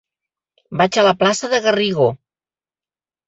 Vaig a la plaça de Garrigó.